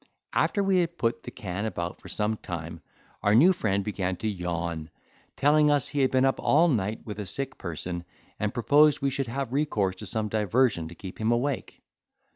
After we had put the can about for some time, our new friend began to yawn, telling us he had been up all night with a sick person; and proposed we should have recourse to some diversion to keep him awake.